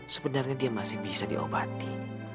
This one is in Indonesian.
sebenarnya dia masih bisa diobati